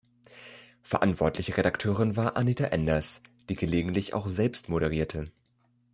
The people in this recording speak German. Verantwortliche Redakteurin war Anita Enders, die gelegentlich auch selbst moderierte.